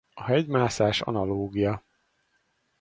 A hegymászás analógia.